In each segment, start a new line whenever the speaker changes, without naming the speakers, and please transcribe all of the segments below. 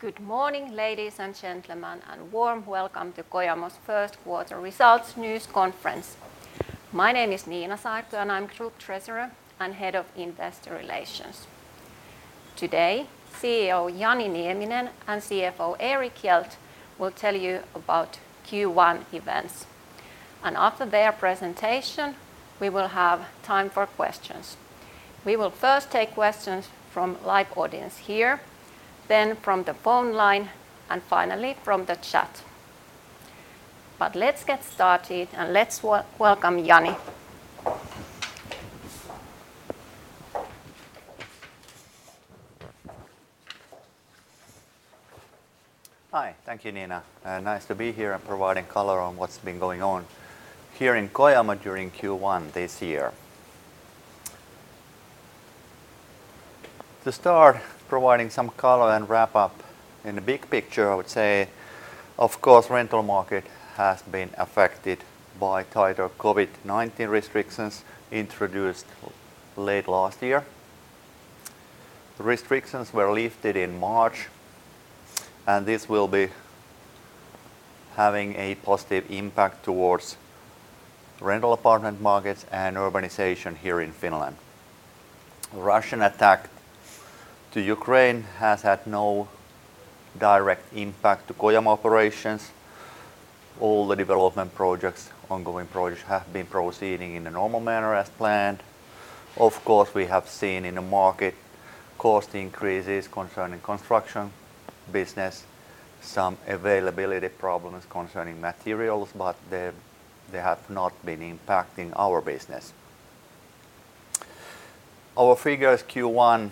Good morning, ladies and gentlemen, and warm welcome to Kojamo's first quarter results news conference. My name is Niina Saarto, and I'm Group Treasurer and Head of Investor Relations. Today, CEO Jani Nieminen and CFO Erik Hjelt will tell you about Q1 events. After their presentation, we will have time for questions. We will first take questions from live audience here, then from the phone line, and finally from the chat. Let's get started, and let's welcome Jani.
Hi. Thank you, Niina. Nice to be here and providing color on what's been going on here in Kojamo during Q1 this year. To start providing some color and wrap up in the big picture, I would say, of course, rental market has been affected by tighter COVID-19 restrictions introduced late last year. Restrictions were lifted in March, and this will be having a positive impact towards rental apartment markets and urbanization here in Finland. Russian attack to Ukraine has had no direct impact to Kojamo operations. All the development projects, ongoing projects, have been proceeding in a normal manner as planned. Of course, we have seen in the market cost increases concerning construction business, some availability problems concerning materials, but they have not been impacting our business. Our figures Q1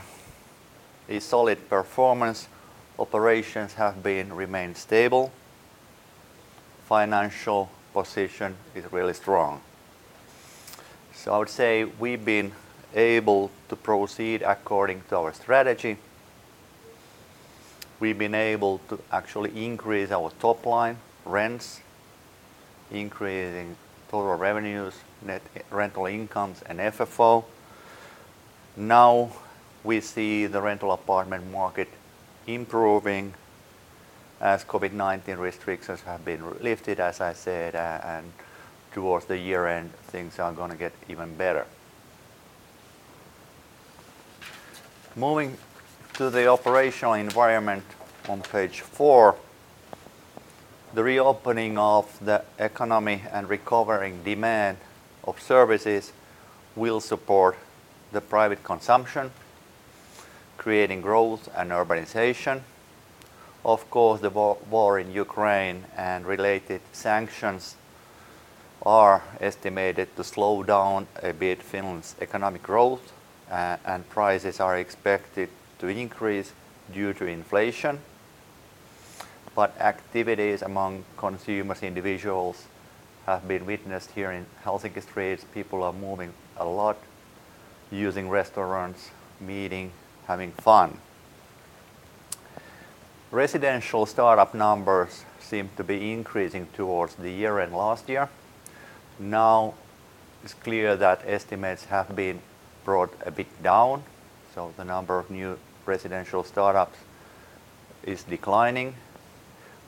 is solid performance. Operations have remained stable. Financial position is really strong. I would say we've been able to proceed according to our strategy. We've been able to actually increase our top line rents, increasing total revenues, net rental incomes, and FFO. Now we see the rental apartment market improving as COVID-19 restrictions have been lifted, as I said, and towards the year-end, things are gonna get even better. Moving to the operational environment on page four, the reopening of the economy and recovering demand of services will support the private consumption, creating growth and urbanization. Of course, the war in Ukraine and related sanctions are estimated to slow down a bit Finland's economic growth, and prices are expected to increase due to inflation. Activities among consumers, individuals, have been witnessed here in Helsinki streets. People are moving a lot, using restaurants, meeting, having fun. Residential startup numbers seem to be increasing towards the year-end last year. Now, it's clear that estimates have been brought a bit down, so the number of new residential startups is declining.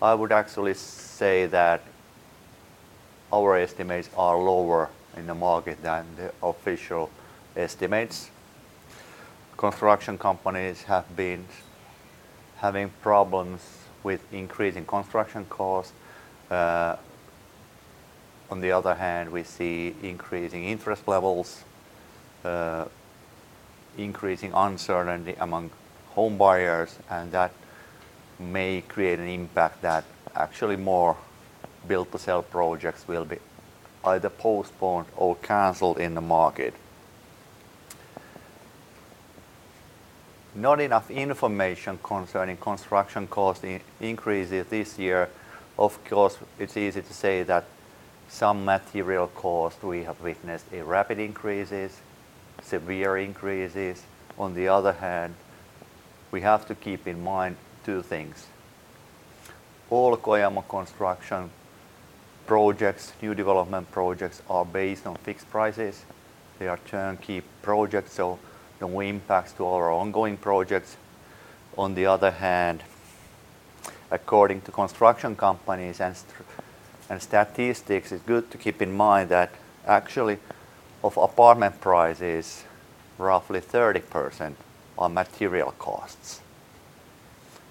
I would actually say that our estimates are lower in the market than the official estimates. Construction companies have been having problems with increasing construction costs. On the other hand, we see increasing interest levels, increasing uncertainty among home buyers, and that may create an impact that actually more build-to-sell projects will be either postponed or canceled in the market. Not enough information concerning construction cost increases this year. Of course, it's easy to say that some material cost, we have witnessed a rapid increases, severe increases. On the other hand, we have to keep in mind two things. All Kojamo construction projects, new development projects, are based on fixed prices. They are turnkey projects, so no impacts to our ongoing projects. On the other hand, according to construction companies and statistics, it's good to keep in mind that actually of apartment prices, roughly 30% are material costs.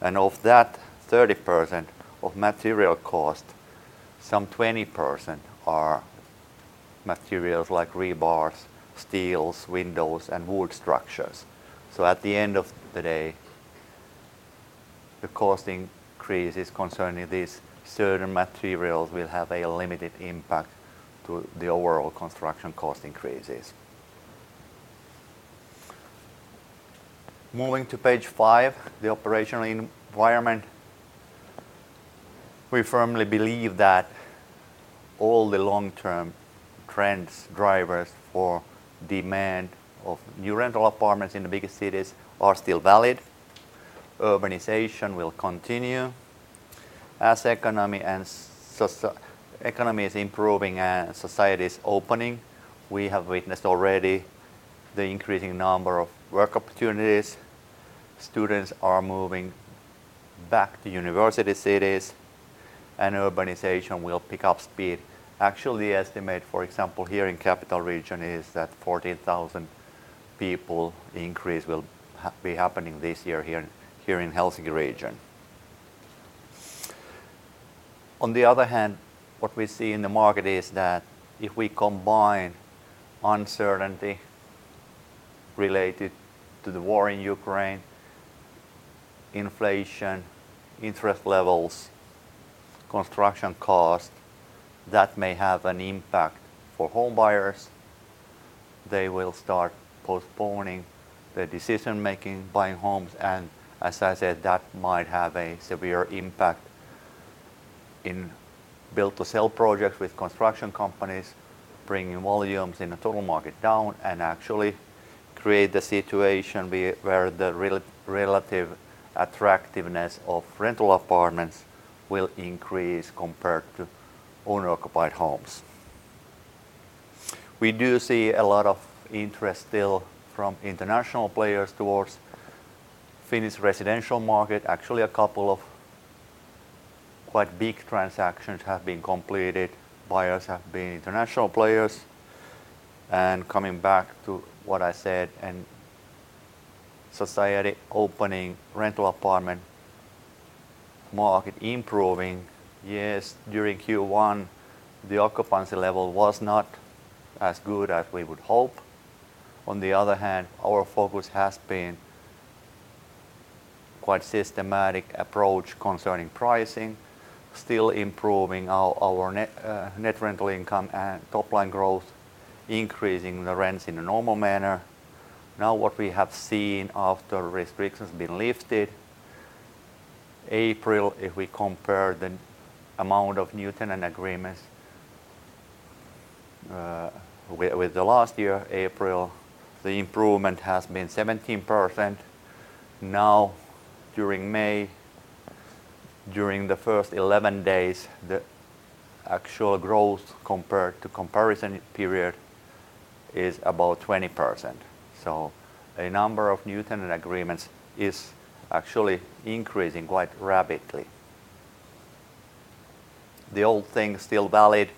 Of that 30% of material cost, some 20% are materials like rebars, steels, windows, and wood structures. At the end of the day, the cost increases concerning these certain materials will have a limited impact to the overall construction cost increases. Moving to page five, the operational environment. We firmly believe that all the long-term trends, drivers for demand of new rental apartments in the biggest cities are still valid. Urbanization will continue. Economy is improving and society is opening, we have witnessed already the increasing number of work opportunities. Students are moving back to university cities, and urbanization will pick up speed. Actually, an estimate, for example, here in capital region is that a 40,000 people increase will be happening this year here in Helsinki region. On the other hand, what we see in the market is that if we combine uncertainty related to the war in Ukraine, inflation, interest levels, construction cost, that may have an impact for home buyers. They will start postponing their decision-making buying homes, and as I said, that might have a severe impact in build-to-sell projects with construction companies, bringing volumes in the total market down and actually create the situation where the relative attractiveness of rental apartments will increase compared to owner-occupied homes. We do see a lot of interest still from international players towards Finnish residential market. Actually, a couple of quite big transactions have been completed. Buyers have been international players. Coming back to what I said, society opening, rental apartment market improving. Yes, during Q1, the occupancy level was not as good as we would hope. On the other hand, our focus has been quite systematic approach concerning pricing, still improving our net rental income and top-line growth, increasing the rents in a normal manner. Now, what we have seen after restrictions been lifted, April, if we compare the amount of new tenant agreements with the last year, April, the improvement has been 17%. Now, during May, during the first 11 days, the actual growth compared to comparison period is about 20%. A number of new tenant agreements is actually increasing quite rapidly. The old thing still valid.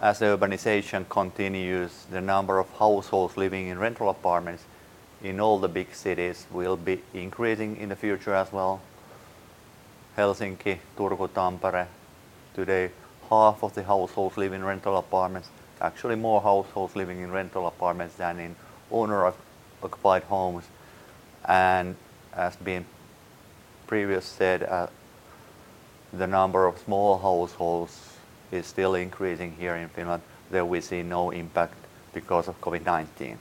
As urbanization continues, the number of households living in rental apartments in all the big cities will be increasing in the future as well. Helsinki, Turku-Tampere, today, 1/2 of the households live in rental apartments. Actually, more households living in rental apartments than in owner-occupied homes. As has been previously said, the number of small households is still increasing here in Finland. There we see no impact because of COVID-19.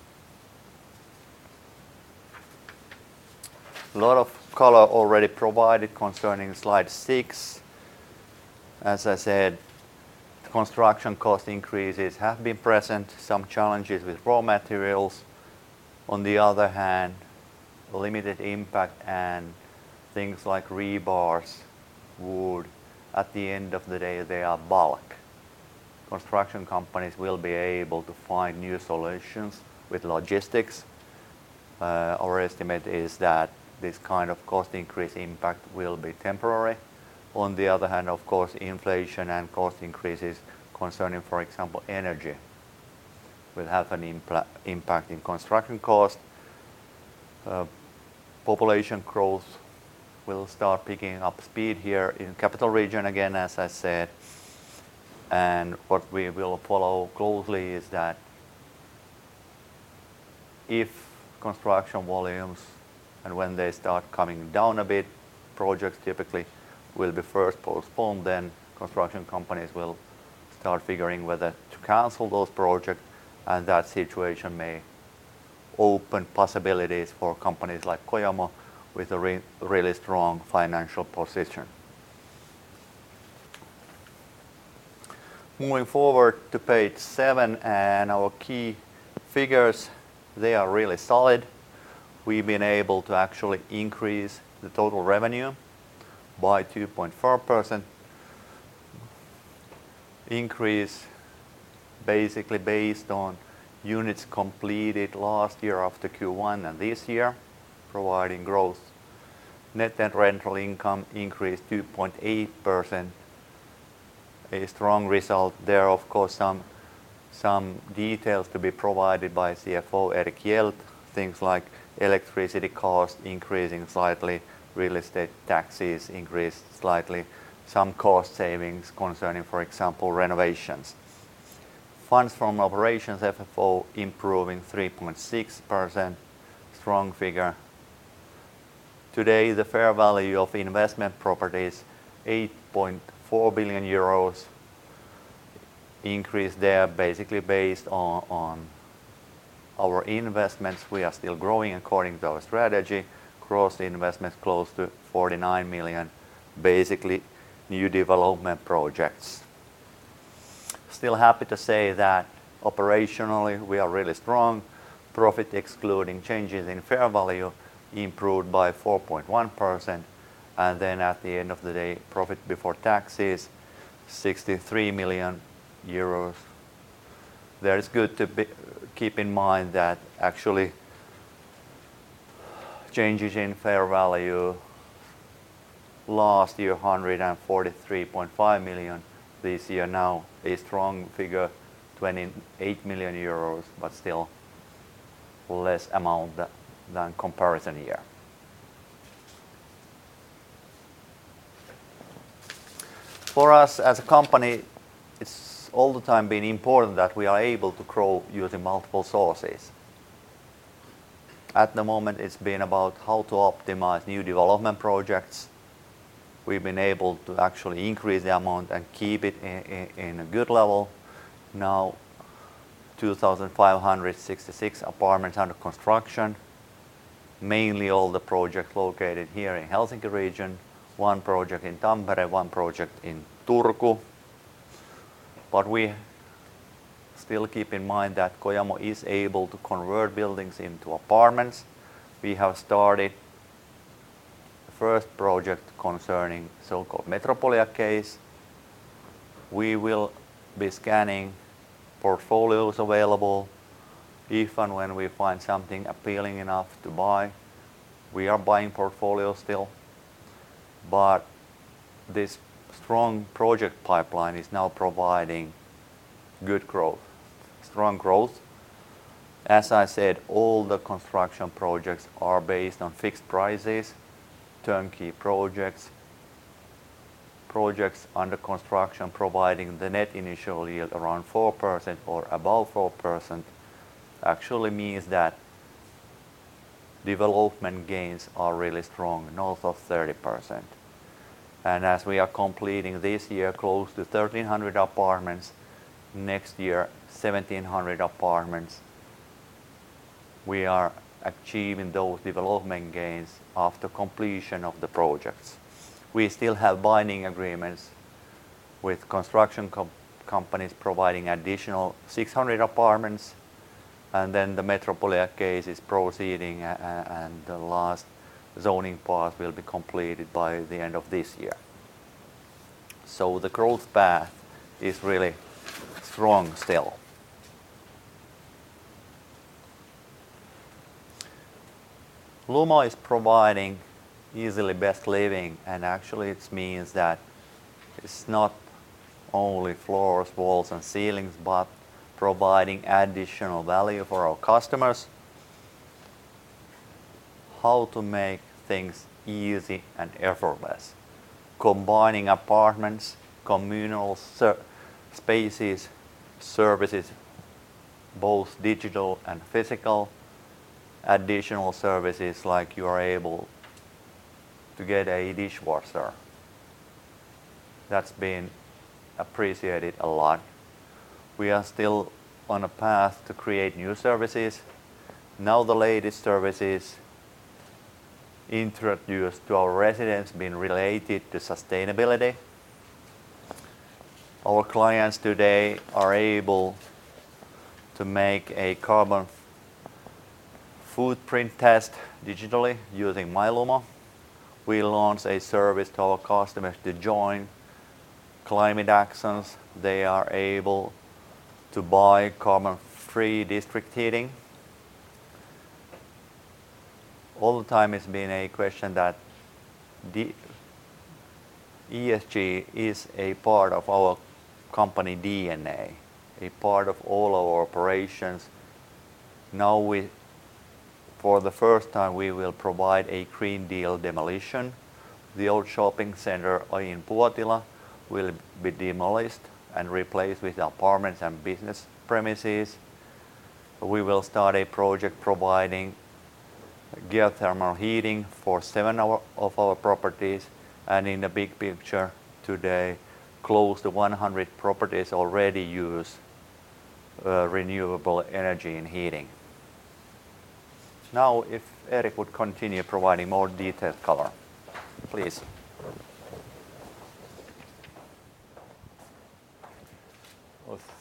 A lot of color already provided concerning slide six. As I said, construction cost increases have been present, some challenges with raw materials. On the other hand, limited impact and things like rebars, wood, at the end of the day, they are bulk. Construction companies will be able to find new solutions with logistics. Our estimate is that this kind of cost increase impact will be temporary. On the other hand, of course, inflation and cost increases concerning, for example, energy will have an impact on construction costs. Population growth will start picking up speed here in capital region again, as I said. What we will follow closely is that if construction volumes and when they start coming down a bit, projects typically will be first postponed, then construction companies will start figuring whether to cancel those projects, and that situation may open possibilities for companies like Kojamo with a really strong financial position. Moving forward to page seven and our key figures, they are really solid. We've been able to actually increase the total revenue by 2.4%. Increase basically based on units completed last year after Q1 and this year, providing growth. Net rental income increased 2.8%. A strong result. Of course, some details to be provided by CFO Erik Hjelt. Things like electricity cost increasing slightly, real estate taxes increased slightly, some cost savings concerning, for example, renovations. Funds from operations, FFO, improving 3.6%, strong figure. Today, the fair value of investment properties 8.4 billion euros. Increase there basically based on our investments. We are still growing according to our strategy. Gross investments close to 49 million, basically new development projects. Still happy to say that operationally we are really strong. Profit excluding changes in fair value improved by 4.1%. At the end of the day, profit before taxes 63 million euros. It's good to keep in mind that actually changes in fair value last year 143.5 million. This year, a strong figure, 28 million euros, but still less amount than comparison year. For us as a company, it's all the time been important that we are able to grow using multiple sources. At the moment, it's been about how to optimize new development projects. We've been able to actually increase the amount and keep it in a good level. Now, 2,566 apartments under construction. Mainly all the projects located here in Helsinki region. One project in Tampere, one project in Turku. We still keep in mind that Kojamo is able to convert buildings into apartments. We have started the first project concerning so-called Metropolia case. We will be scanning portfolios available if and when we find something appealing enough to buy. We are buying portfolios still, but this strong project pipeline is now providing good growth, strong growth. As I said, all the construction projects are based on fixed prices, turnkey projects. Projects under construction providing the net initial yield around 4% or above 4% actually means that development gains are really strong, north of 30%. As we are completing this year close to 1,300 apartments, next year 1,700 apartments, we are achieving those development gains after completion of the projects. We still have binding agreements with construction companies providing additional 600 apartments, and then the Metropolia case is proceeding and the last zoning part will be completed by the end of this year. The growth path is really strong still. Lumo is providing easily best living, and actually it means that it's not only floors, walls and ceilings, but providing additional value for our customers. How to make things easy and effortless. Combining apartments, communal sauna spaces, services, both digital and physical, additional services like you are able to get a dishwasher. That's been appreciated a lot. We are still on a path to create new services. Now, the latest services introduced to our residents being related to sustainability. Our clients today are able to make a carbon footprint test digitally using My Lumo. We launched a service to our customers to join climate actions. They are able to buy carbon-free district heating. All the time it's been a question that the ESG is a part of our company DNA, a part of all our operations. Now, for the first time, we will provide a Green Deal demolition. The old shopping center in Puotila will be demolished and replaced with apartments and business premises. We will start a project providing geothermal heating for seven of our properties, and in the big picture today, close to 100 properties already use renewable energy and heating. Now, if Erik would continue providing more detailed color, please.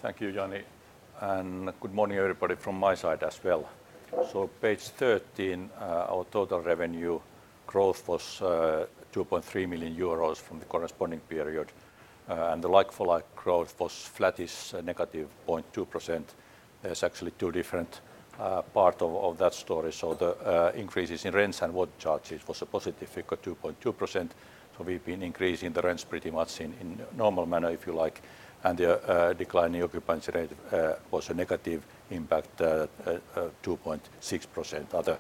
Well, thank you, Jani, and good morning everybody from my side as well. Page thirteen, our total revenue growth was EUR 2.3 million from the corresponding period. The like-for-like growth was flattish, -0.2%. There's actually two different part of that story. The increases in rents and wood charges was a positive figure, 2.2%. We've been increasing the rents pretty much in normal manner, if you like. The decline in occupancy rate was a negative impact 2.6%. Other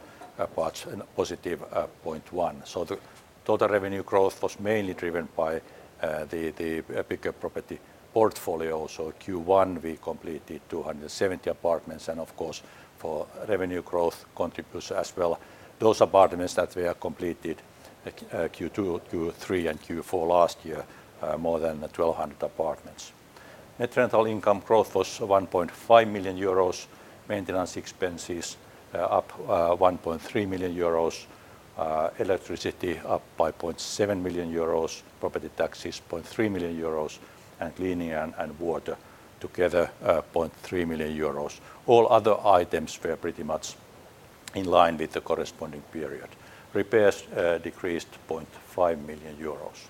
parts +0.1%. The total revenue growth was mainly driven by the bigger property portfolio. Q1, we completed 270 apartments and of course for revenue growth contributes as well those apartments that we have completed Q2, Q3, and Q4 last year, more than 1,200 apartments. Net rental income growth was 1.5 million euros. Maintenance expenses up 1.3 million euros. Electricity up by 0.7 million euros, property taxes 0.3 million euros, and cleaning and water together 0.3 million euros. All other items were pretty much in line with the corresponding period. Repairs decreased 0.5 million euros.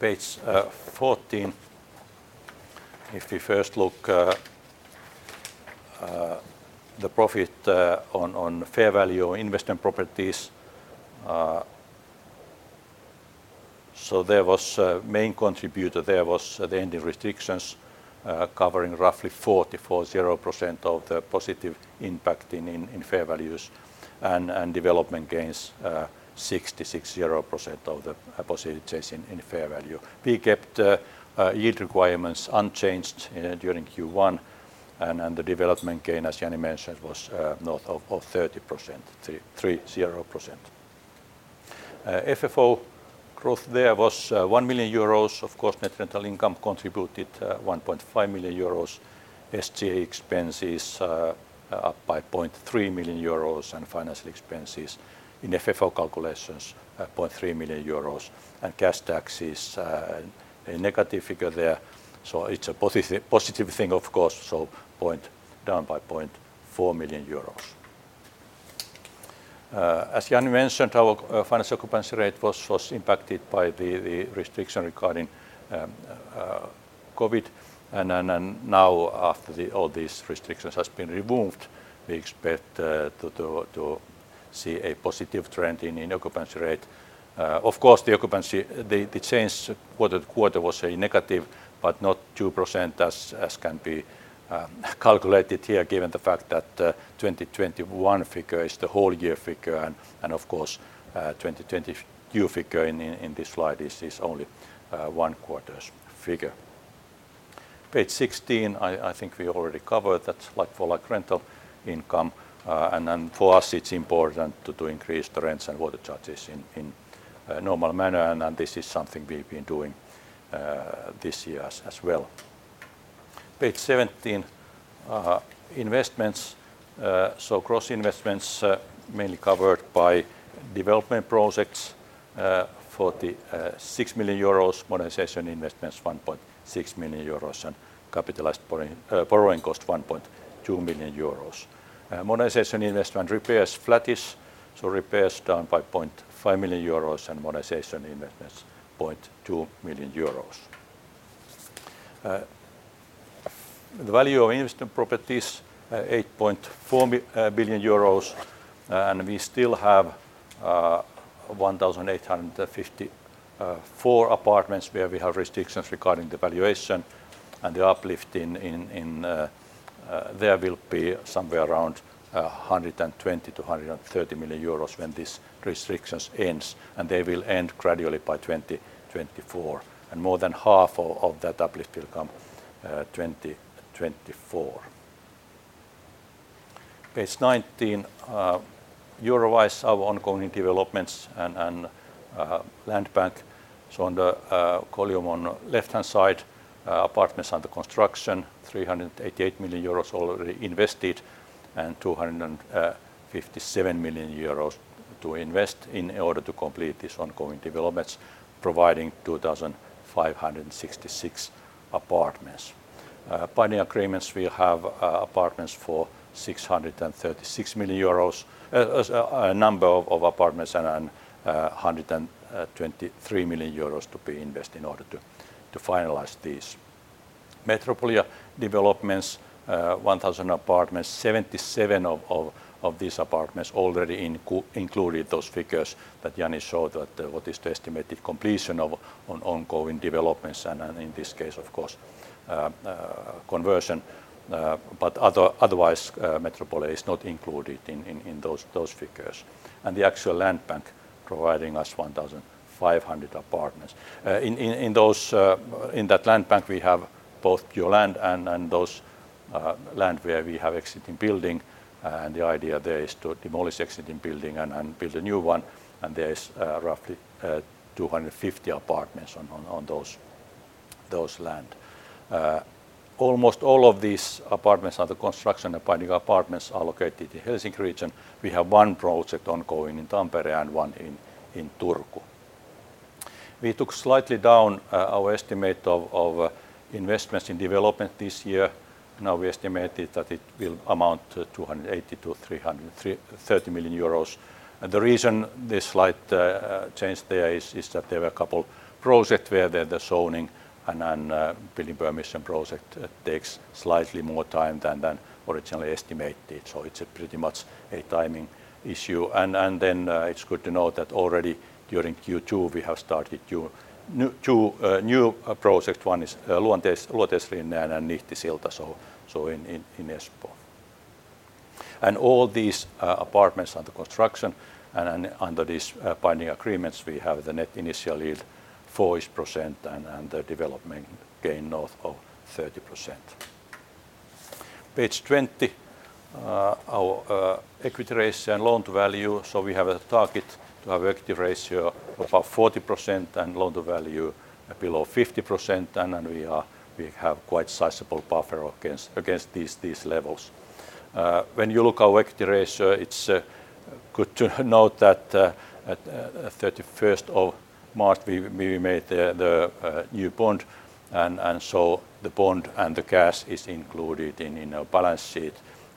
Page fourteen, if we first look at the profit on fair value of investment properties, so there was a main contributor, the easing restrictions, covering roughly 44.0% of the positive impact in fair values and development gains, 66.0% of the positive change in fair value. We kept yield requirements unchanged during Q1, and the development gain, as Jani mentioned, was north of 30%, 33.0%. FFO growth there was 1 million euros. Of course, net rental income contributed 1.5 million euros. SG&A expenses up by 0.3 million euros, and financial expenses in FFO calculations 0.3 million euros. Cash taxes a negative figure there. It's a positive thing, of course, down by 0.4 million euros. As Jani mentioned, our financial occupancy rate was impacted by the restriction regarding COVID. Now after all these restrictions has been removed, we expect to see a positive trend in occupancy rate. Of course, the occupancy change quarter-to-quarter was negative, but not 2% as can be calculated here, given the fact that the 2021 figure is the whole year figure. Of course, 2020 Q figure in this slide is only one quarter's figure. Page 16, I think we already covered that's like-for-like rental income. For us it's important to increase the rents and water charges in normal manner, and this is something we've been doing this year as well. Page 17, investments. Gross investments mainly covered by development projects, 46 million euros, monetization investments 1.6 million euros, and capitalized borrowing cost 1.2 million euros. Monetization investment repairs flattish, repairs down by 0.5 million euros and monetization investments 0.2 million euros. The value of investment properties, 8.4 billion euros, and we still have 1,854 apartments where we have restrictions regarding the valuation and the uplift. There will be somewhere around 120-130 million euros when these restrictions ends, and they will end gradually by 2024. More than half of that uplift will come 2024. Page 19, Euro-wise, our ongoing developments and landbank. On the column on left-hand side, apartments under construction, EUR 388 million already invested and 257 million euros to invest in order to complete these ongoing developments, providing 2,566 apartments. Binding agreements, we have apartments for 636 million euros as a number of apartments and 123 million euros to be invested in order to finalize these. Metropolia developments, 1,000 apartments, 77 of these apartments already included those figures that Jani showed that what is the estimated completion of ongoing developments and, in this case, of course, conversion. Otherwise, Metropolia is not included in those figures. The actual landbank providing us 1,500 apartments. In that landbank, we have both pure land and those land where we have existing building, and the idea there is to demolish existing building and build a new one, and there is roughly 250 apartments on those land. Almost all of these apartments under construction and binding apartments are located in Helsinki region. We have one project ongoing in Tampere and one in Turku. We toned slightly down our estimate of investments in development this year. Now, we estimated that it will amount to 280-330 million euros. The reason this slight change there is that there were a couple projects where the zoning and then building permission project takes slightly more time than originally estimated. It's pretty much a timing issue. It's good to note that already during Q2, we have started two new projects. One is Luoteislinna and Nihtisilta, in Espoo. All these apartments under construction and under these binding agreements, we have the net initial yield 4-ish% and the development gain north of 30%. Page 20, our equity ratio and loan to value. We have a target to have equity ratio above 40% and loan to value below 50%, and then we have quite sizable buffer against these levels. When you look at our equity ratio, it's good to note that at 31st March, we made the new bond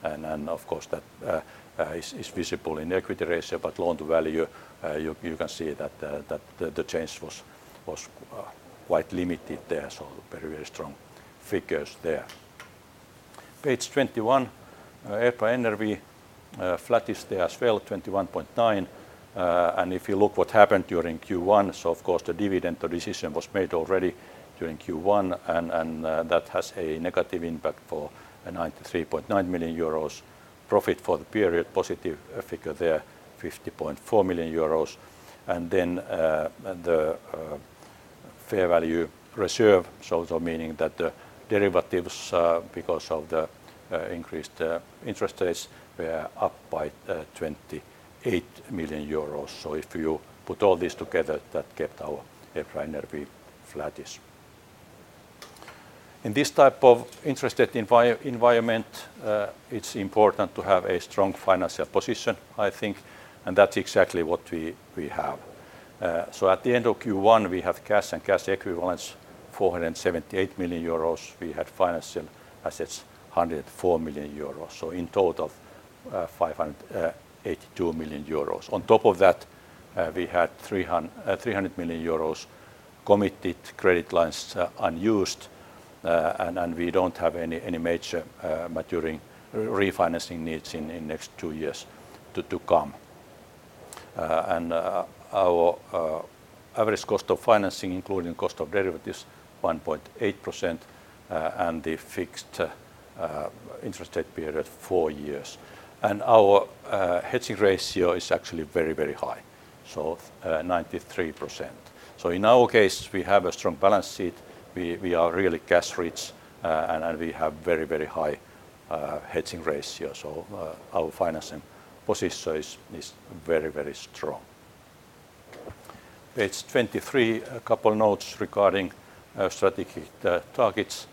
and so the bond and the cash is included in our balance sheet and then, of course, that is visible in equity ratio, but loan to value, you can see that the change was quite limited there. Very strong figures there. Page 21, EBITDA flat-ish there as well, 21.. If you look what happened during Q1, of course the dividend, the decision was made already during Q1 and that has a negative impact for a 93.9 million euros profit for the period. Positive figure there, 50.4 million euros. The fair value reserve, so meaning that the derivatives because of the increased interest rates were up by 28 million euros. If you put all this together, that kept our EBITDA flat-ish. In this type of interest rate environment, it's important to have a strong financial position, I think, and that's exactly what we have. At the end of Q1, we have cash and cash equivalents, EUR 478 million. We had financial assets, EUR 104 million. In total, EUR 582 million. On top of that, we had EUR 300 million committed credit lines, unused. We don't have any major maturing refinancing needs in next two years to come. Our average cost of financing, including cost of derivatives, 1.8%, and the fixed interest rate period, four years. Our hedging ratio is actually very, very high, 93%. In our case, we have a strong balance sheet. We are really cash rich, and we have very, very high hedging ratio. Our financing position is very, very strong. Page 23, a couple notes regarding our strategic targets.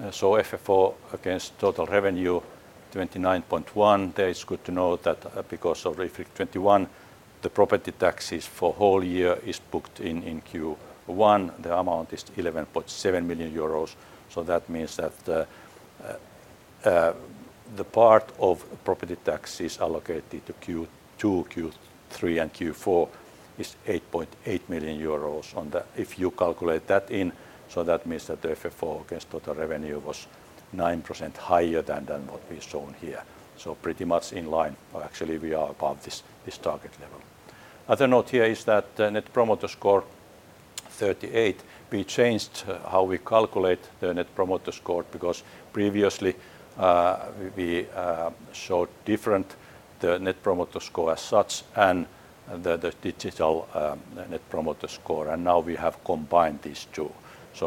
FFO against total revenue, 29.1. It's good to note that because of IFRIC 21, the property taxes for whole year is booked in Q1. The amount is 11.7 million euros, so that means that the part of property taxes allocated to Q2, Q3, and Q4 is 8.8 million euros on that. If you calculate that in, that means that the FFO against total revenue was 9% higher than what we've shown here. Pretty much in line, or actually we are above this target level. Other note here is that Net Promoter Score, 38, we changed how we calculate the Net Promoter Score because previously, we showed different, the Net Promoter Score as such and the digital Net Promoter Score, and now we have combined these two.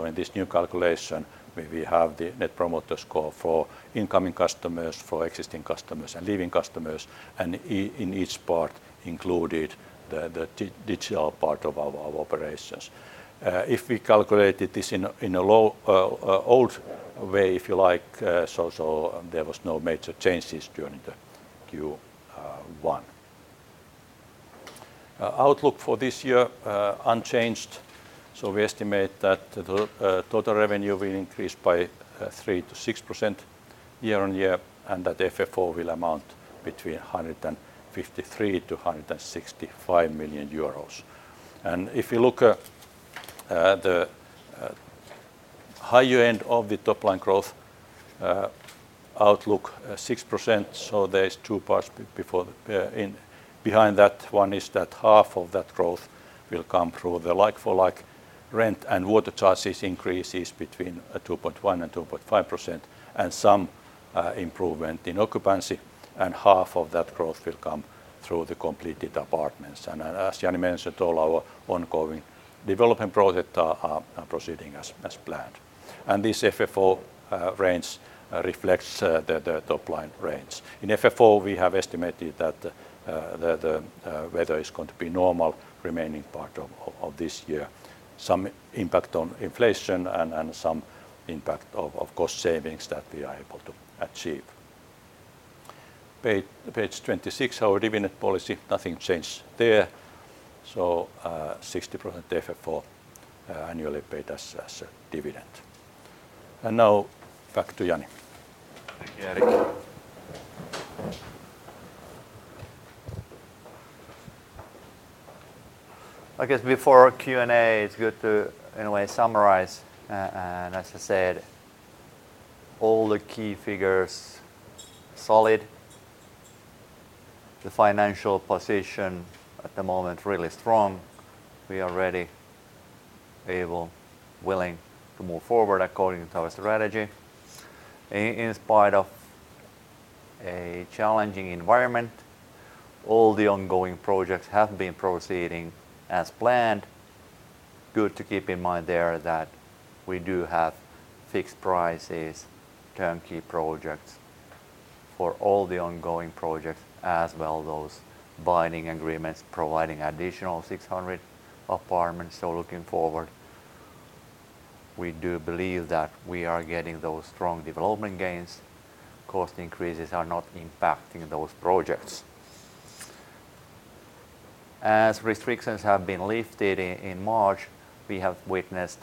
In this new calculation, we have the Net Promoter Score for incoming customers, for existing customers, and leaving customers, and in each part included the digital part of our operations. If we calculated this in an old way, if you like, there was no major changes during the Q1. Outlook for this year unchanged. We estimate that the total revenue will increase by 3%-6% year-on-year, and that FFO will amount between 153 million euros and 165 million euros. If you look at the higher end of the top line growth outlook, 6%, there's two parts before the in. Behind that, one is that half of that growth will come through the like-for-like rent and water charges increases between 2.1%-2.5%, and some improvement in occupancy, and half of that growth will come through the completed apartments. As Jani mentioned, all our ongoing development project are proceeding as planned. This FFO range reflects the top line range. In FFO, we have estimated that the weather is going to be normal remaining part of this year. Some impact on inflation and some impact of cost savings that we are able to achieve. Page 26, our dividend policy, nothing changed there. 60% FFO annually paid as a dividend. Now back to Jani.
Thank you, Erik. I guess before Q&A, it's good to anyway summarize. As I said, all the key figures, solid. The financial position at the moment, really strong. We are ready, able, willing to move forward according to our strategy. In spite of a challenging environment, all the ongoing projects have been proceeding as planned. Good to keep in mind there that we do have fixed prices, turnkey projects for all the ongoing projects, as well as those binding agreements providing additional 600 apartments. Looking forward, we do believe that we are getting those strong development gains. Cost increases are not impacting those projects. As restrictions have been lifted in March, we have witnessed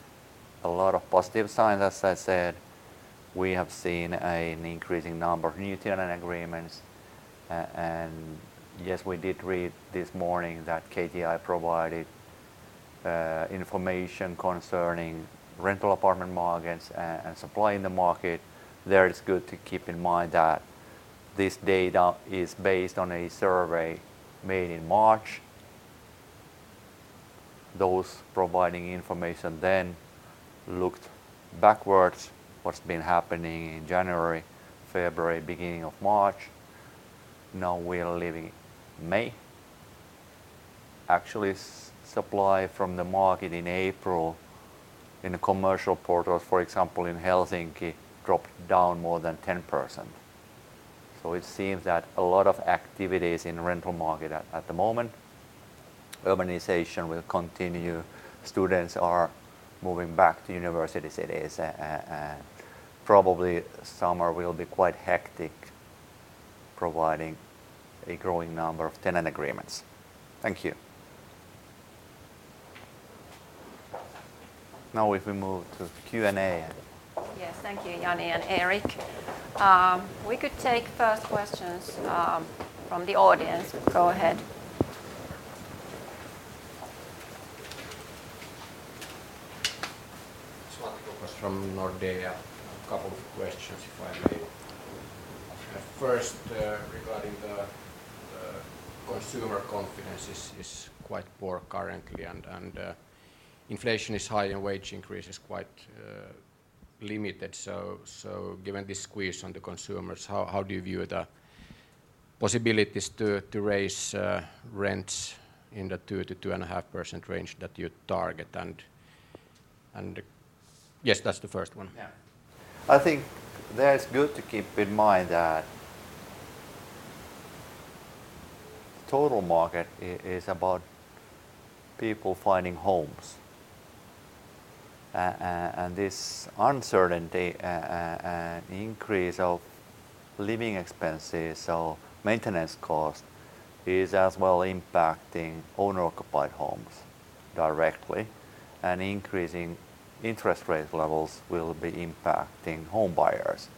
a lot of positive signs, as I said. We have seen an increasing number of new tenant agreements. Yes, we did read this morning that KTI provided information concerning rental apartment markets and supply in the market. There, it's good to keep in mind that this data is based on a survey made in March. Those providing information then looked backwards, what's been happening in January, February, beginning of March. Now we're late in May. Actually, supply from the market in April, in the commercial portals, for example, in Helsinki, dropped down more than 10%. It seems that a lot of activity is in rental market at the moment. Urbanization will continue. Students are moving back to university cities, and probably summer will be quite hectic, providing a growing number of tenant agreements. Thank you. Now if we move to Q&A.
Yes. Thank you, Jani and Erik. We could take first questions from the audience. Go ahead.
It's Svante Krokfors from Nordea. A couple of questions if I may. First, regarding the consumer confidence is quite poor currently, and inflation is high and wage increase is quite limited. Given the squeeze on the consumers, how do you view the possibilities to raise rents in the 2%-2.5% range that you target? Yes, that's the first one.
Yeah. I think that it's good to keep in mind that total market is about people finding homes. This uncertainty and increase of living expenses or maintenance cost is as well impacting owner-occupied homes directly, and increasing interest rate levels will be impacting home buyers.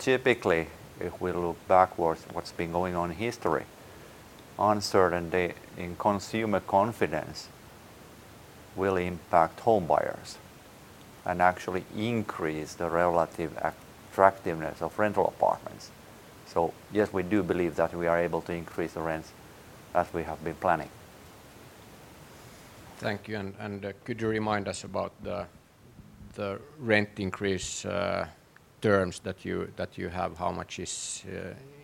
Typically, if we look backwards what's been going on in history, uncertainty in consumer confidence will impact home buyers and actually increase the relative attractiveness of rental apartments. Yes, we do believe that we are able to increase the rents as we have been planning.
Thank you. Could you remind us about the rent increase terms that you have, how much is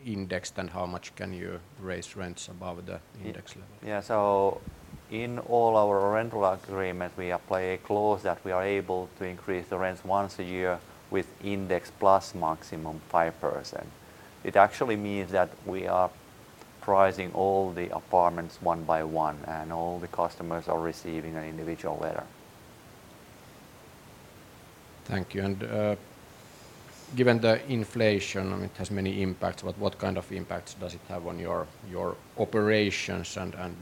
indexed and how much can you raise rents above the index level?
Yeah. In all our rental agreements, we apply a clause that we are able to increase the rents once a year with index plus maximum 5%. It actually means that we are pricing all the apartments one by one, and all the customers are receiving an individual letter.
Thank you. Given the inflation, I mean, it has many impacts, but what kind of impacts does it have on your operations and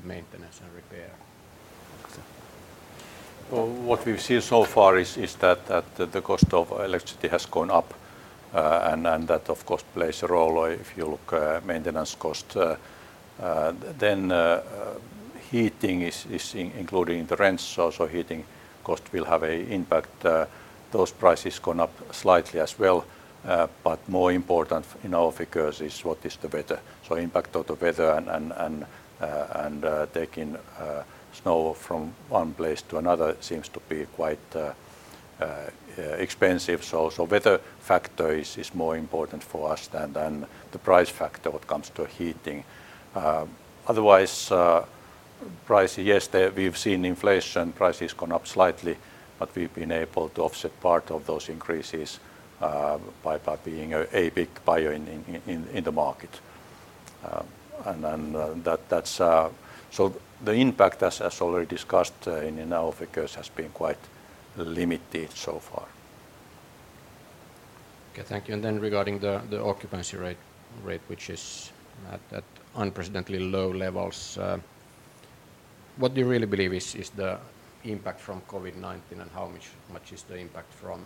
maintenance and repair?
Well, what we've seen so far is that the cost of electricity has gone up, and that of course plays a role if you look at maintenance costs. Heating is included in the rent, so heating cost will have an impact. Those prices gone up slightly as well, but more important in our figures is what is the weather. Impact of the weather and taking snow from one place to another seems to be quite expensive. Weather factor is more important for us than the price factor when it comes to heating. Otherwise, price, yes, we've seen inflation, price has gone up slightly, but we've been able to offset part of those increases by being a big buyer in the market. The impact, as already discussed, in our figures has been quite limited so far.
Okay. Thank you. Regarding the occupancy rate, which is at unprecedentedly low levels, what do you really believe is the impact from COVID-19 and how much is the impact from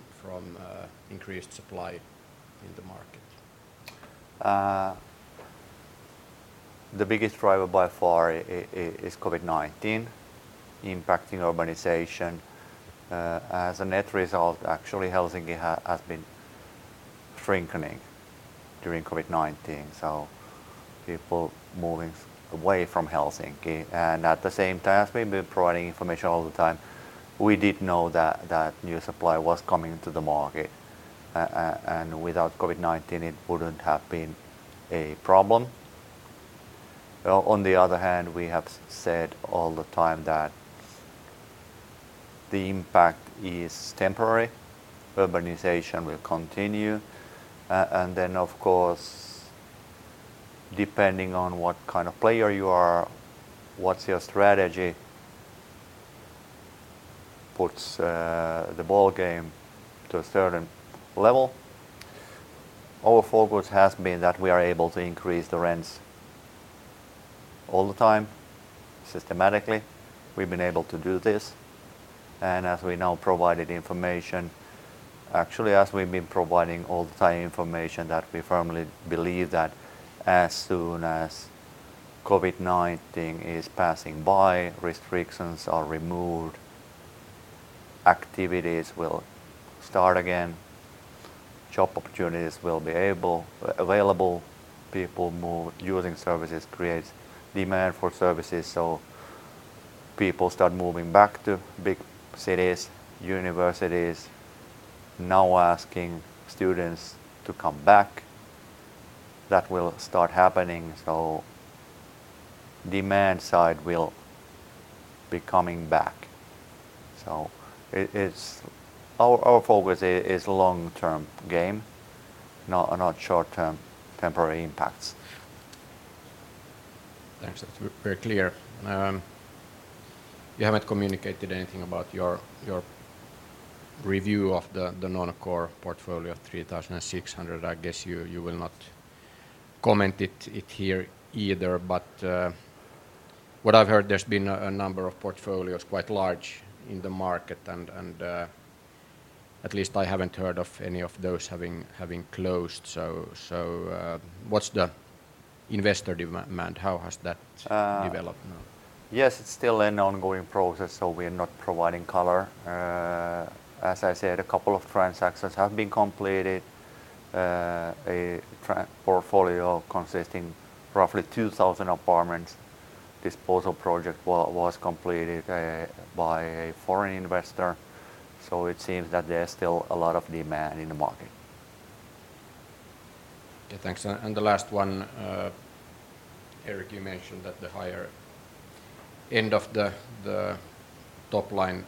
increased supply in the market?
The biggest driver by far is COVID-19 impacting urbanization. As a net result, actually Helsinki has been shrinking during COVID-19, so people moving away from Helsinki. At the same time, as we've been providing information all the time, we did know that that new supply was coming to the market, and without COVID-19, it wouldn't have been a problem. On the other hand, we have said all the time that the impact is temporary. Urbanization will continue. Of course, depending on what kind of player you are, what's your strategy, puts the ball game to a certain level. Our focus has been that we are able to increase the rents all the time systematically. We've been able to do this. As we now provided information... Actually, as we've been providing all the time information that we firmly believe that as soon as COVID-19 is passing by, restrictions are removed, activities will start again, job opportunities will be able, available, people move. Using services creates demand for services, so people start moving back to big cities. Universities now asking students to come back. That will start happening, so demand side will be coming back. It's our focus is long-term game, not short-term temporary impacts.
Thanks. That's very clear. You haven't communicated anything about your review of the non-core portfolio, 3,600. I guess you will not comment on it here either. What I've heard, there's been a number of portfolios quite large in the market and, at least I haven't heard of any of those having closed. What's the investor demand? How has that developed now?
Yes, it's still an ongoing process, so we're not providing color. As I said, a couple of transactions have been completed. A portfolio consisting roughly 2,000 apartments disposal project was completed by a foreign investor. It seems that there's still a lot of demand in the market.
Yeah. Thanks. The last one, Erik, you mentioned that the higher end of the top line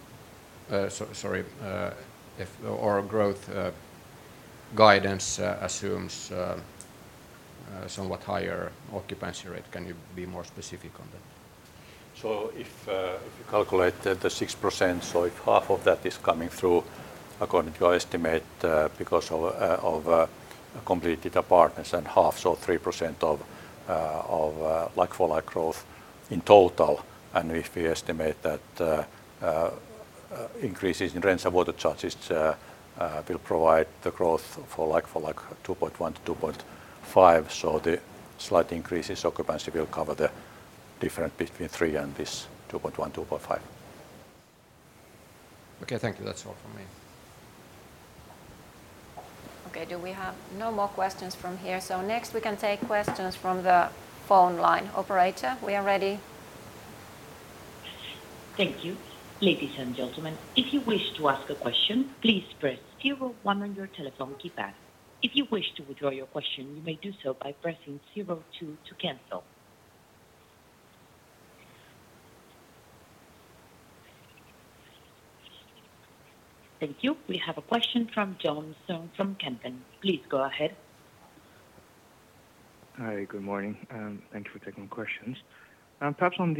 or growth guidance assumes somewhat higher occupancy rate. Can you be more specific on that?
If you calculate the 6%, if half of that is coming through according to your estimate, because of completed apartments and half, so 3% of like-for-like growth in total. If we estimate that increases in rents and water charges will provide the growth for like-for-like 2.1%-2.5%. The slight increase in occupancy will cover the difference between 3% and this 2.1%-2.5%.
Okay. Thank you. That's all from me.
Okay. Do we have no more questions from here? Next, we can take questions from the phone line. Operator, we are ready.
Thank you. Ladies and gentlemen, if you wish to ask a question, please press zero one on your telephone keypad. If you wish to withdraw your question, you may do so by pressing zero two to cancel. Thank you. We have a question from John Vuong from Kempen. Please go ahead.
Hi. Good morning, and thank you for taking questions. Perhaps on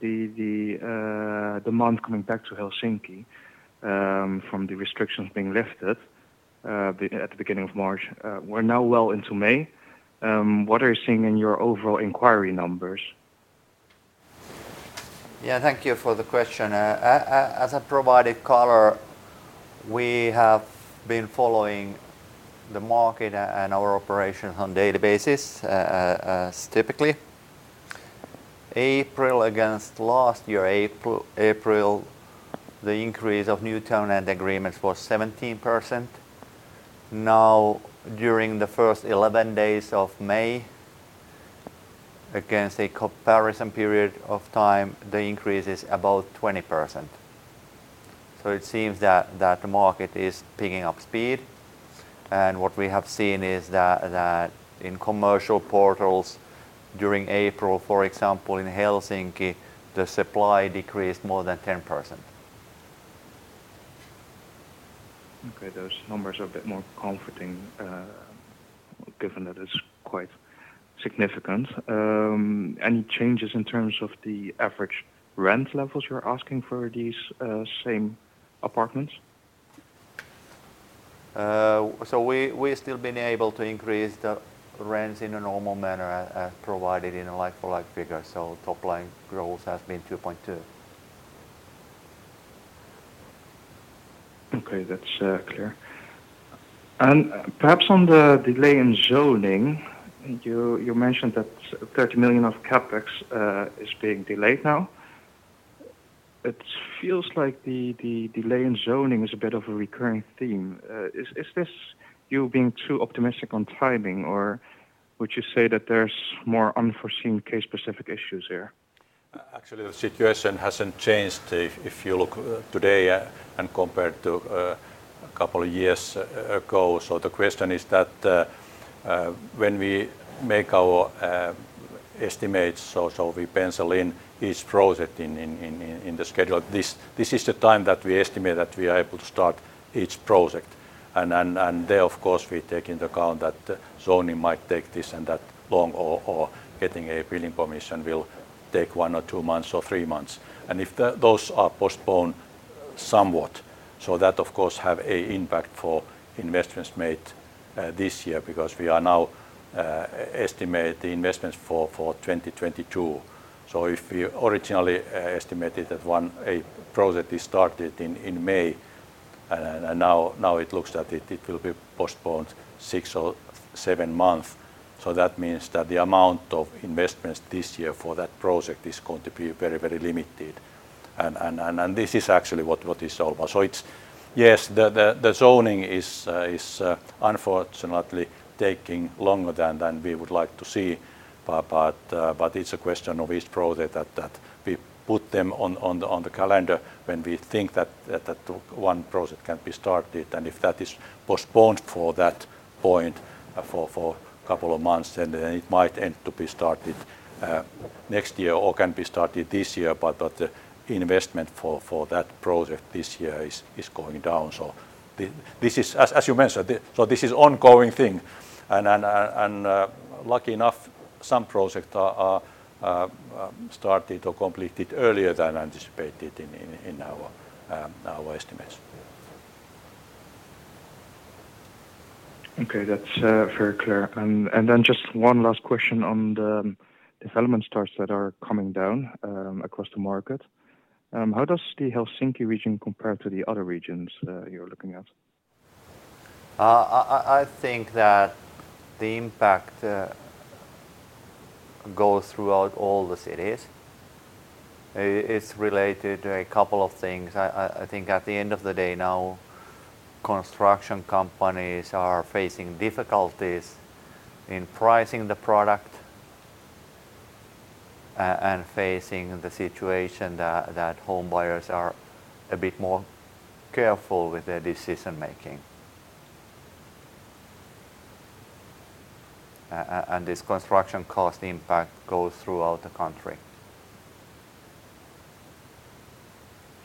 the demand coming back to Helsinki from the restrictions being lifted at the beginning of March. We're now well into May. What are you seeing in your overall inquiry numbers?
Yeah. Thank you for the question. As I provided color, we have been following the market and our operations on databases, typically. April against last year April, the increase of new tenant agreements was 17%. Now, during the first 11 days of May against a comparison period of time, the increase is about 20%. It seems that the market is picking up speed. What we have seen is that in commercial portals during April, for example, in Helsinki, the supply decreased more than 10%.
Okay. Those numbers are a bit more comforting, given that it's quite significant. Any changes in terms of the average rent levels you're asking for these, same apartments?
We've still been able to increase the rents in a normal manner as provided in a like-for-like figure. Top line growth has been 2.2%.
Okay. That's clear. Perhaps on the delay in zoning, you mentioned that 30 million of CapEx is being delayed now. It feels like the delay in zoning is a bit of a recurring theme. Is this you being too optimistic on timing, or would you say that there's more unforeseen case-specific issues there?
Actually the situation hasn't changed if you look today, and compared to a couple of years ago. The question is that, when we make our, Estimates, we pencil in each project in the schedule. This is the time that we estimate that we are able to start each project. There, of course, we take into account that zoning might take this and that long,
goes throughout all the cities. It's related to a couple of things. I think at the end of the day now, construction companies are facing difficulties in pricing the product and facing the situation that home buyers are a bit more careful with their decision-making. This construction cost impact goes throughout the country.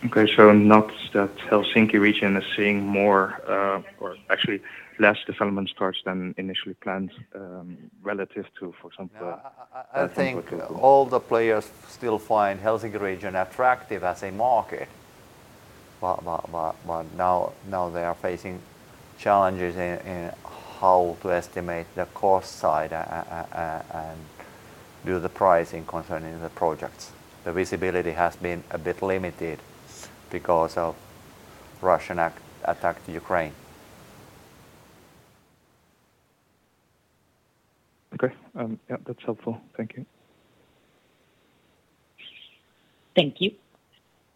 Okay. Not that Helsinki region is seeing more, or actually less development starts than initially planned, relative to, for example-
I think all the players still find Helsinki region attractive as a market. Now they are facing challenges in how to estimate the cost side and do the pricing concerning the projects. The visibility has been a bit limited because of Russian attack on Ukraine.
Okay. Yeah, that's helpful. Thank you.
Thank you.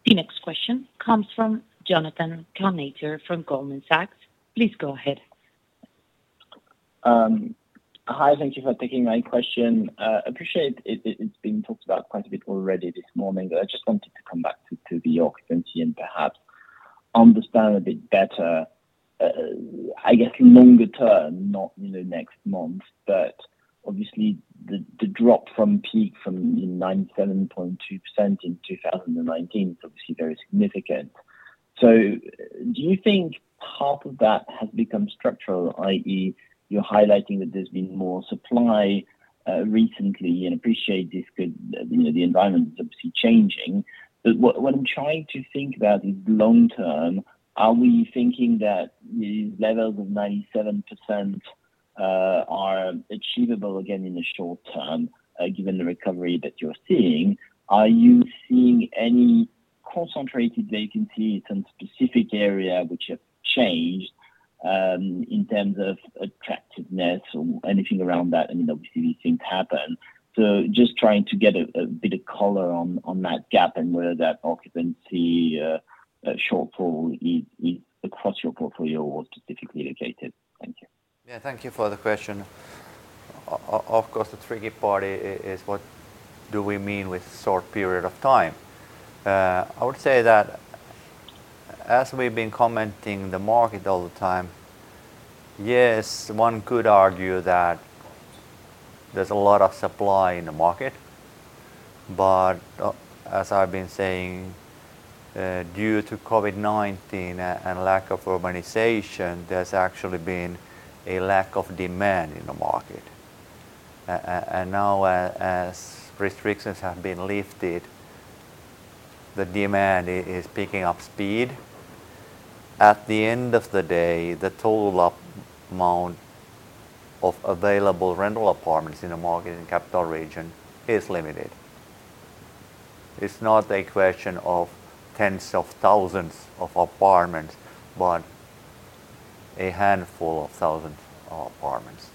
The next question comes from Jonathan Kownator from Goldman Sachs. Please go ahead.
Hi. Thank you for taking my question. Appreciate it. It's been talked about quite a bit already this morning, but I just wanted to come back to the occupancy and perhaps understand a bit better, I guess longer term, not, you know, next month, but obviously the drop from peak from, you know, 97.2% in 2019 is obviously very significant. Do you think half of that has become structural, i.e., you're highlighting that there's been more supply recently and I appreciate this could, you know, the environment is obviously changing, but what I'm trying to think about is long term, are we thinking that these levels of 97% are achievable again in the short term, given the recovery that you're seeing? Are you seeing any concentrated vacancies in specific area which have changed in terms of attractiveness or anything around that? I mean, obviously these things happen. Just trying to get a bit of color on that gap and where that occupancy shortfall is across your portfolio or specifically located. Thank you.
Yeah. Thank you for the question. Of course, the tricky part is what do we mean with short period of time. I would say that as we've been commenting on the market all the time, yes, one could argue that there's a lot of supply in the market. As I've been saying, due to COVID-19 and lack of urbanization, there's actually been a lack of demand in the market. Now as restrictions have been lifted, the demand is picking up speed. At the end of the day, the total amount of available rental apartments in the market in Capital Region is limited. It's not a question of tens of thousands of apartments, but a handful of thousand apartments.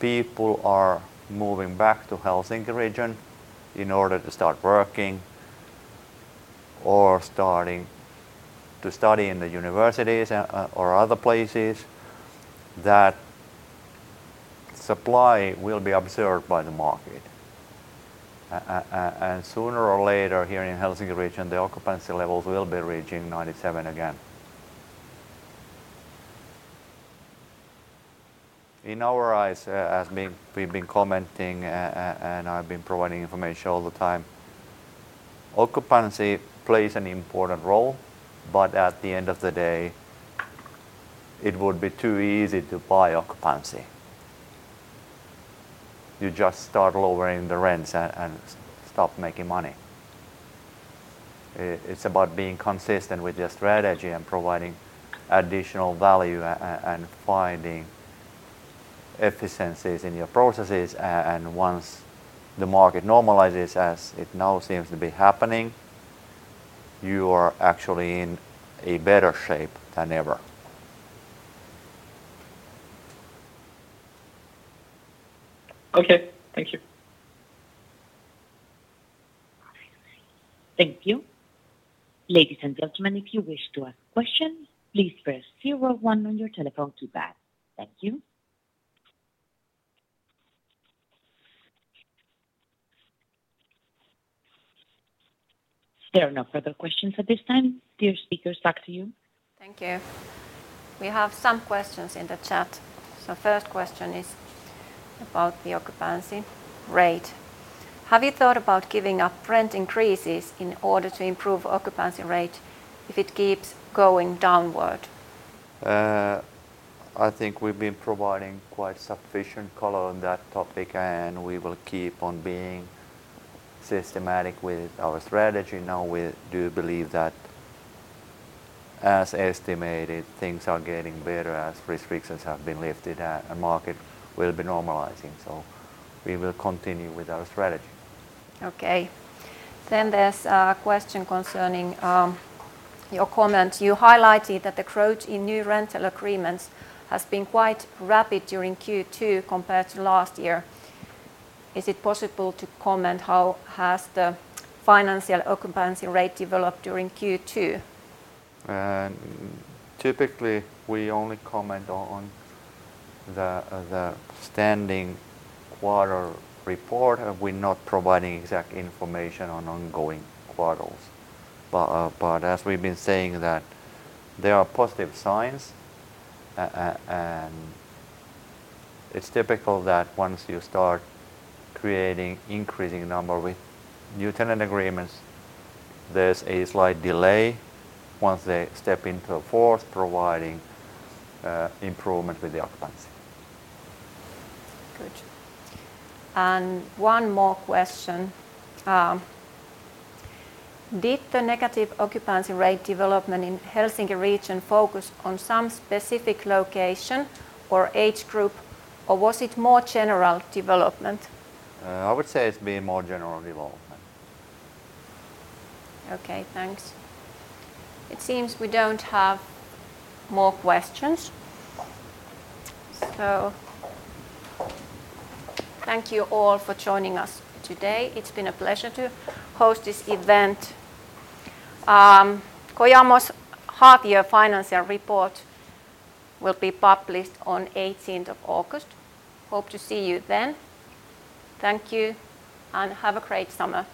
People are moving back to the Helsinki region in order to start working or starting to study in the universities or other places, that supply will be absorbed by the market. Sooner or later here in the Helsinki region, the occupancy levels will be reaching 97% again. In our eyes, as we've been commenting and I've been providing information all the time, occupancy plays an important role, but at the end of the day, it would be too easy to buy occupancy. You just start lowering the rents and stop making money. It's about being consistent with your strategy and providing additional value and finding efficiencies in your processes. Once the market normalizes, as it now seems to be happening, you are actually in a better shape than ever. Okay. Thank you.
Thank you. Ladies and gentlemen, if you wish to ask questions, please press zero-one on your telephone to dial. Thank you. There are no further questions at this time. Dear speakers, back to you.
Thank you. We have some questions in the chat. First question is about the occupancy rate. Have you thought about giving up rent increases in order to improve occupancy rate if it keeps going downward?
I think we've been providing quite sufficient color on that topic, and we will keep on being systematic with our strategy. Now, we do believe that, as estimated, things are getting better as restrictions have been lifted and market will be normalizing, so we will continue with our strategy.
Okay. There's a question concerning your comment. You highlighted that the growth in new rental agreements has been quite rapid during Q2 compared to last year. Is it possible to comment how has the financial occupancy rate developed during Q2?
Typically we only comment on the standard quarter report, and we're not providing exact information on ongoing quarters. As we've been saying that there are positive signs and it's typical that once you start creating increasing number with new tenant agreements, there's a slight delay once they step into the flat providing improvement with the occupancy.
Good. One more question. Did the negative occupancy rate development in Helsinki region focus on some specific location or age group, or was it more general development?
I would say it's been more general development.
Okay, thanks. It seems we don't have more questions. Thank you all for joining us today. It's been a pleasure to host this event. Kojamo's half year financial report will be published on 18th of August. Hope to see you then. Thank you, and have a great summer.